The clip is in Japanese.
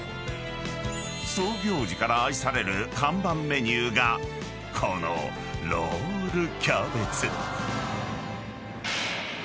［創業時から愛される看板メニューがこのロールキャベツ］